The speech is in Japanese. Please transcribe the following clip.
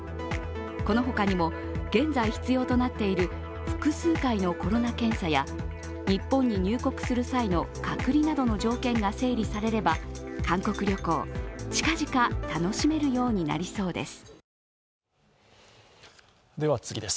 この他にも現在必要となっている複数回のコロナ検査や日本に入国する際の隔離などの条件が整理されれば、韓国旅行、近々楽しめるようになりそうです。